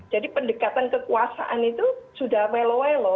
jadi pendekatan kekuasaan itu sudah wello wello